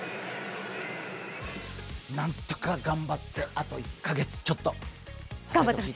なんとか頑張ってあと１カ月ちょっと。